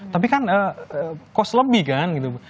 tapi kan cost lebih kan gitu